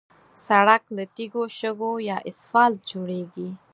سړک له تیږو، شګو یا اسفالت جوړېږي.